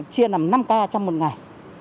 chia làm năm ca trong một ngày